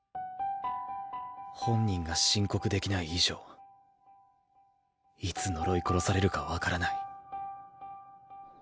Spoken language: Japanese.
本人が申告できない以上いつ呪い殺されるか分からない。